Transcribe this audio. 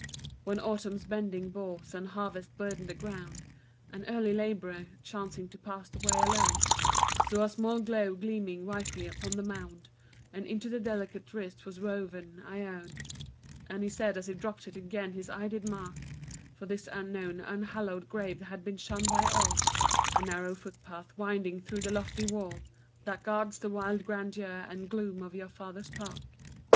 When autumn's bending boughs and harvests burdened the ground An early laborer, chancing to pass that way alone, Saw a small glove gleaming whitely upon the mound, And into the delicate wrist was woven "Ione," And he said as he dropped it again his eye did mark For this unknown, unhallowed grave had been shunned by all A narrow footpath winding through to the lofty wall, That guards the wild grandeur and gloom of your father's park.